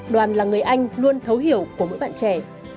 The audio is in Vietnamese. đoàn là người anh luôn thấu hiểu của mỗi bạn trẻ